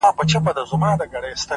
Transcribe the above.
د باران ورو کېدل د سکون احساس زیاتوي،